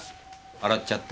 洗っちゃった？